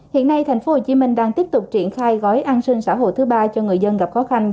hiện nay tp hcm đang tiếp tục triển khai gói an sinh xã hội thứ ba cho người dân gặp khó khăn